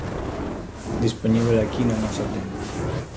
Dispoñíbel aquí na nosa tenda.